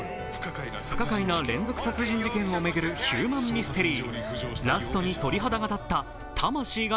不可解な連続殺人事件を巡るヒューマンミステリー。